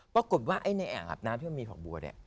ปรากฏว่าในอาบน้ำที่มันมีหัวบัว